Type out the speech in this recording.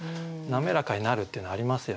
滑らかになるっていうのありますよね。